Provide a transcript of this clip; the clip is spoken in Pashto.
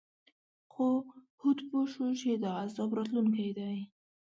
خو هود پوه شو چې دا عذاب راتلونکی دی.